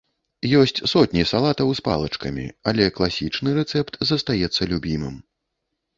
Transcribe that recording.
Ёсць сотні салатаў з палачкамі, але класічны рэцэпт застаецца любімым.